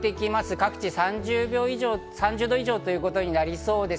各地３０度以上ということになりそうです。